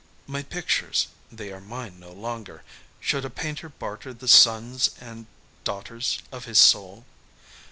My pictures they are mine no longer. Should a painter barter the sons and daughters of his soul?...